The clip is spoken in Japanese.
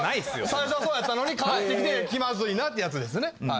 ・最初はそうやったのに変わってきて気まずいなってやつですねはい。